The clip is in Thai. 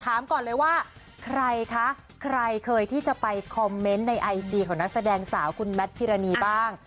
ถามก่อนเลยว่าใครคะใครเคยที่จะไปคอมเมนต์ในไอจีของนักแสดงสาวคุณแมทพิรณีบ้าง